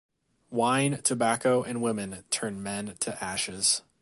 Wine, tobacco and women turn men to ashes.